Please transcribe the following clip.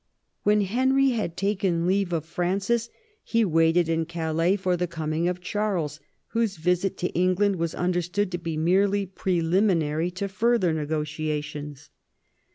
When Henry had taken leave of Francis, he waited in Calais for the coming of Charles, whose visit to England was understood to be merely preliminary to further negotiations.